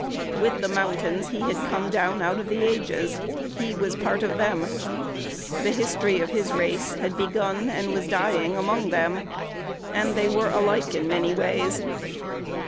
With the mountains, he had come down out of the ages. He was part of them. The history of his race had begun and was dying among them, and they were alike in many ways.